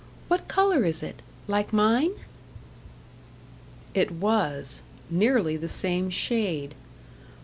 What colour is it? Like mine?" It was; nearly the same shade.